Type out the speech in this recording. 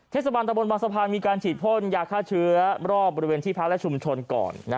เทศบาลตะบนบางสะพานมีการฉีดพ่นยาฆ่าเชื้อรอบบริเวณที่พักและชุมชนก่อน